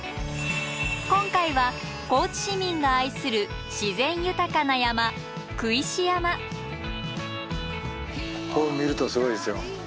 今回は高知市民が愛する自然豊かな山こう見るとすごいですよ。